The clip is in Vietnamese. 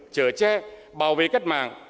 chở che bảo vệ cất màng